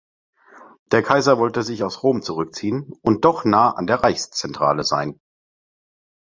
Der Kaiser wollte sich aus Rom zurückziehen und doch nah der Reichszentrale sein.